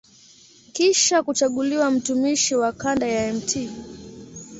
Kisha kuchaguliwa mtumishi wa kanda ya Mt.